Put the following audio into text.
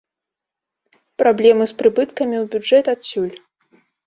Праблемы з прыбыткамі ў бюджэт адсюль.